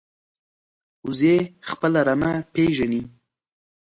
وزې خپل رمه پېژني